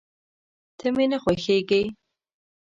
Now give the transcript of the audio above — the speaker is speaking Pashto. ته مي نه خوښېږې !